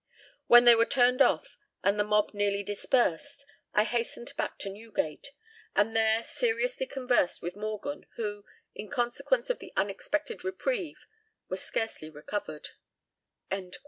When they were turned off, and the mob nearly dispersed, I hastened back to Newgate, and there seriously conversed with Morgan, who, in consequence of the unexpected reprieve, was scarcely recovered."